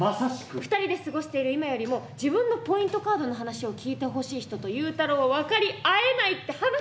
２人で過ごしている今よりも自分のポイントカードの話を聞いてほしい人とゆうたろうは分かり合えないって話。